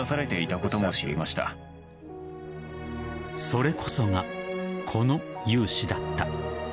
それこそが、この勇姿だった。